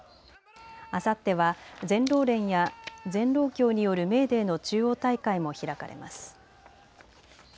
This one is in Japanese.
あさっては全労連や全労協によるメーデーの中央大会も開かれます。